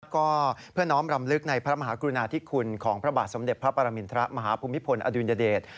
ก็เพื่อน้อมรำลึกในพระมหากรุณาธิคุณของพระบาทสมเด็จพระปรมินทรมาฮภูมิพลอดุลยเดช